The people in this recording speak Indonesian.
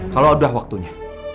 kalo udah waktunya